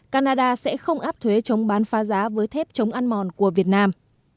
canada sẽ không áp thuế chống bán phá giá với thép chống ăn mòn của việt nam